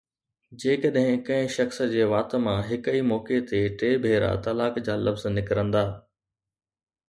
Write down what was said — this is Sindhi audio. جيڪڏهن ڪنهن شخص جي وات مان هڪ ئي موقعي تي ٽي ڀيرا طلاق جا لفظ نڪرندا